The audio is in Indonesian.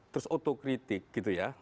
terus otokritik gitu ya